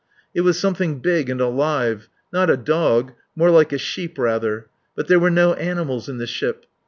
It was something big and alive. Not a dog more like a sheep, rather. But there were no animals in the ship.